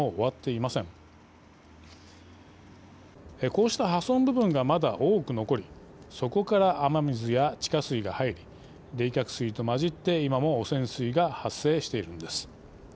こうした破損部分がまだ多く残りそこから雨水や地下水が入り冷却水と混じって今も汚染水が発生しているのです。